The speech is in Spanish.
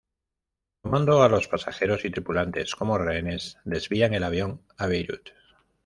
Tomando a los pasajeros y tripulantes como rehenes, desvían el avión a Beirut.